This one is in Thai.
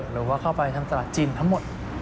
หรือว่าเข้าไปทางตลาดจีนทั้งหมด